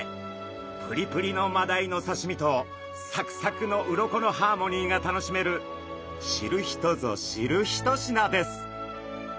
プリプリのマダイのさしみとサクサクの鱗のハーモニーが楽しめる知る人ぞ知る一品です。